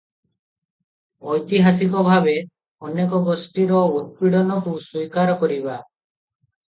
ଐତିହାସିକ ଭାବେ ଅନେକ ଗୋଷ୍ଠୀର ଉତ୍ପୀଡ଼ନକୁ ସ୍ୱୀକାର କରିବା ।